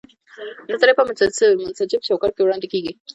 نظریه په منسجم چوکاټ کې وړاندې کیږي.